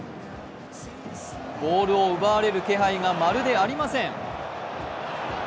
ボールを奪われる気配がまるでありません。